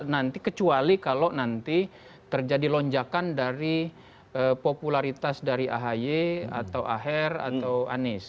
nanti kecuali kalau nanti terjadi lonjakan dari popularitas dari ahy atau aher atau anies